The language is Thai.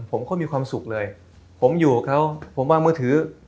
ผมก็มีความสุขเลยผมอยู่กับเขาผมวางมือถือ